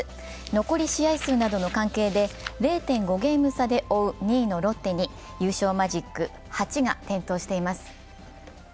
残り試合数などの関係で０．５ゲーム差で追う２位のロッテに優勝マジック８が点灯しています。